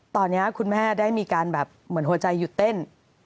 ตอนนี้คุณแม่ได้มีการแบบเหมือนหัวใจหยุดเต้น